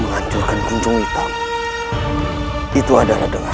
yang bersumber dari kuncung hitam yang ada dalam dirimu